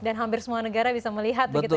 dan hampir semua negara bisa melihat begitu ya